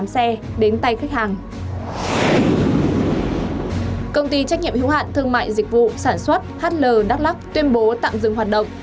công ty trách nhiệm hữu hạn thương mại dịch vụ sản xuất hl đắk lắc tuyên bố tạm dừng hoạt động